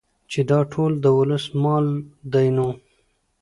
چې دا ټول د ولس مال دى نو